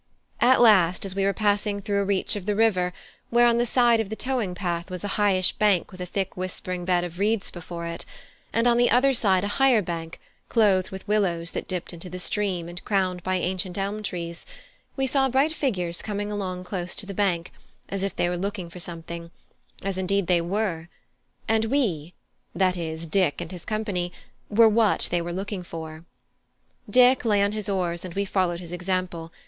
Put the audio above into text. At last as we were passing through a reach of the river where on the side of the towing path was a highish bank with a thick whispering bed of reeds before it, and on the other side a higher bank, clothed with willows that dipped into the stream and crowned by ancient elm trees, we saw bright figures coming along close to the bank, as if they were looking for something; as, indeed, they were, and we that is, Dick and his company were what they were looking for. Dick lay on his oars, and we followed his example.